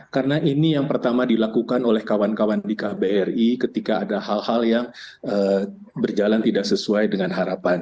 karena ini yang pertama dilakukan oleh kawan kawan di kbri ketika ada hal hal yang berjalan tidak sesuai dengan harapan